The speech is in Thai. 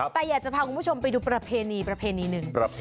แต่อยากจะพาคุณผู้ชมไปดูประเพณีประเพณีหนึ่ง